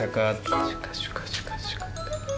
シュカシュカシュカシュカ。